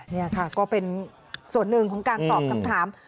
นี่ค่ะก็เป็นส่วนหนึ่งของการตอบคำถาม